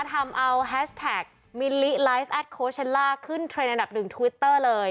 ทำเอาแฮชแท็กมิลลิไลฟ์แอดโค้ชเชลล่าขึ้นเทรนดอันดับหนึ่งทวิตเตอร์เลย